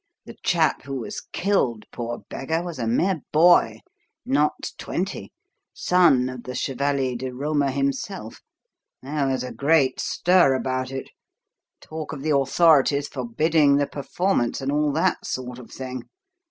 The chap who was killed, poor beggar, was a mere boy, not twenty, son of the Chevalier di Roma himself. There was a great stir about it. Talk of the authorities forbidding the performance, and all that sort of thing.